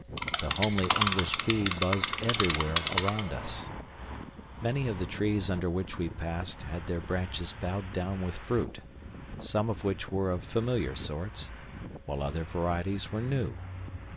The homely English bee buzzed everywhere around us. Many of the trees under which we passed had their branches bowed down with fruit, some of which were of familiar sorts, while other varieties were new.